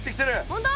本当？